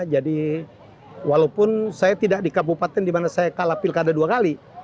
jadi walaupun saya tidak dikabupaten di mana saya kalah pilkada dua kali